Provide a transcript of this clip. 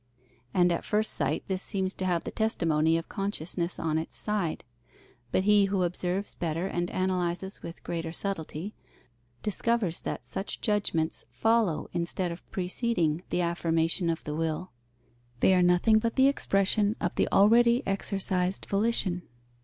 And at first sight this seems to have the testimony of consciousness on its side. But he who observes better and analyses with greater subtlety, discovers that such judgments follow instead of preceding the affirmation of the will; they are nothing but the expression of the already exercised volition.